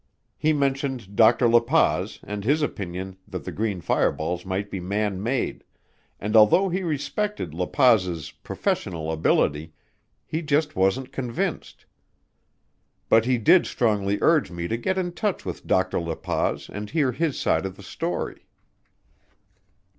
He mentioned Dr. La Paz and his opinion that the green fireballs might be man made, and although he respected La Paz's professional ability, he just wasn't convinced. But he did strongly urge me to get in touch with Dr. La Paz and hear his side of the story.